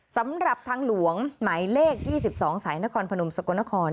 สำหรับทางหลวงหมายเลข๒๒สายนครพนมสกลนคร